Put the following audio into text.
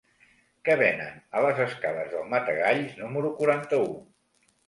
Què venen a les escales del Matagalls número quaranta-u?